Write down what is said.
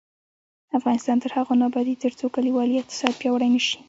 افغانستان تر هغو نه ابادیږي، ترڅو کلیوالي اقتصاد پیاوړی نشي.